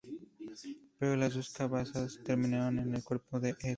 Pero las dos cabezas terminaron en el cuerpo de Ed.